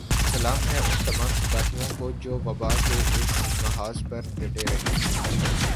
سلام ہے ان تمام سپاہیوں کو جو وبا کے اس محاذ پر ڈٹے رہے